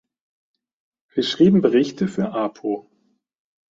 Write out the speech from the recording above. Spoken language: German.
Wir schrieben Berichte für Apo.